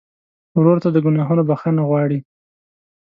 ورور ته د ګناهونو بخښنه غواړې.